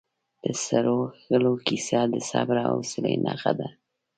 د سرو غرونو کیسه د صبر او حوصلې نښه ده.